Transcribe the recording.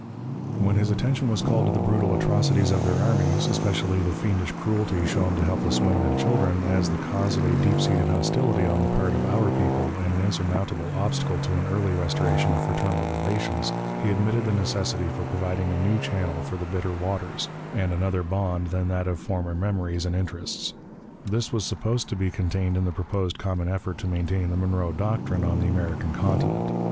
"When his attention was called to the brutal atrocities of their armies, especially the fiendish cruelty shown to helpless women and children, as the cause of a deep seated hostility on the part of our people, and an insurmountable obstacle to an early restoration of fraternal relations, he admitted the necessity for providing a new channel for the bitter waters, and another bond than that of former memories and interests. This was supposed to be contained in the proposed common effort to maintain the 'Monroe doctrine' on the American Continent.